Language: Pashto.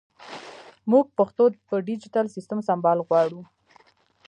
مونږ پښتو په ډیجېټل سیسټم سمبال غواړو